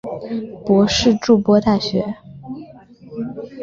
博士筑波大学。